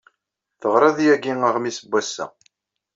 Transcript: Teɣriḍ yagi aɣmis n wass-a.